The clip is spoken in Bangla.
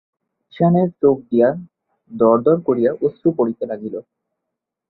ঈশানের চোখ দিয়া দরদর করিয়া অশ্রু পড়িতে লাগিল।